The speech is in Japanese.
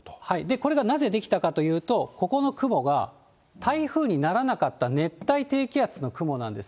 これがなぜ出来たかというと、ここの雲が台風にならなかった熱帯低気圧の雲なんです。